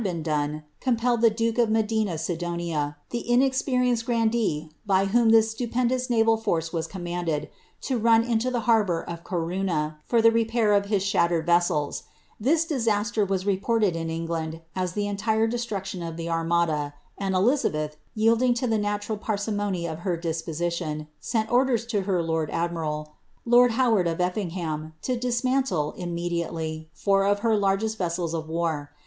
TO been done, compelled the duke of Medina Sidonia, the i Ifrandee by wbnm this stupendous naval force was commanded, to nu } into the harbour of Corunna for the repir of his shaiiered vessela, Thii ■ disasier wa> reported in England as the entire Jestmction o( the Anii»d», i and Elizabeth, yielding to the natural parsimony of her diipoeitjon, «ent • orders to her lord admiral, lord Howard of EEtingham, to diunantlfli im mediately, four of her largest vessels of war.